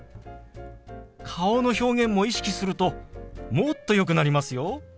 顔の表現も意識するともっとよくなりますよ。